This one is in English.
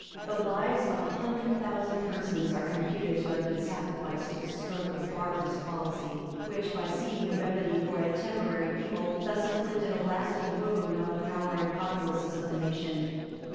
The lives of a hundred thousand persons are computed to have been sacrificed to this stroke of barbarous policy,[] which, by seeking a remedy for a temporary evil, thus inflicted a lasting wound on the power and populousness of the nation.